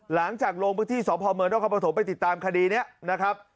หลังจากโรงพยาบาลที่สพรคไปติดตามคดีเนี่ยนะครับ